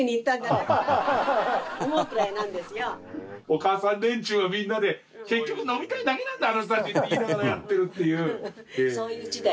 お母さん連中はみんなで「結局飲みたいだけなんだあの人たち」って言いながらやってるっていう。